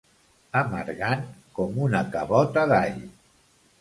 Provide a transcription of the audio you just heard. Amargant com una cabota d'all.